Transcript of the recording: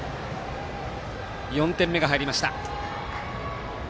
４点目が入りました。